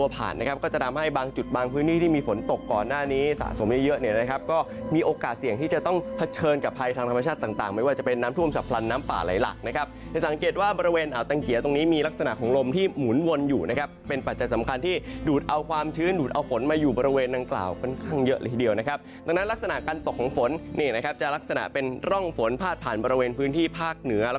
ภาษาต่างไม่ว่าจะเป็นน้ำทุ่มสะพรรณน้ำป่าไหลหลักนะครับสังเกตว่าบริเวณอ่าวตังเขียตรงนี้มีลักษณะของลมที่หมุนวนอยู่นะครับเป็นปัจจัยสำคัญที่ดูดเอาความชื้นดูดเอาฝนมาอยู่บริเวณนางกล่าวค่อนข้างเยอะเลยทีเดียวนะครับตรงนั้นลักษณะการตกของฝนนี่นะครับจะลักษณะเป็นร่องฝน